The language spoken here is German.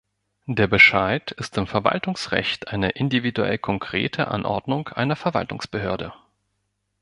Der Bescheid ist im Verwaltungsrecht eine individuell-konkrete Anordnung einer Verwaltungsbehörde.